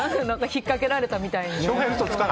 引っかけられたみたいに。